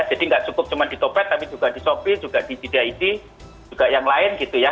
jadi nggak cukup cuma di opet tapi juga di shopee juga di jdid juga yang lain gitu ya